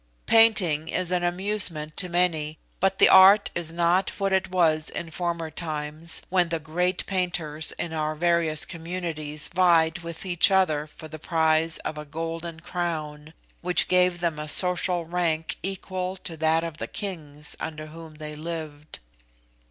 Painting is an amusement to many, but the art is not what it was in former times, when the great painters in our various communities vied with each other for the prize of a golden crown, which gave them a social rank equal to that of the kings under whom they lived.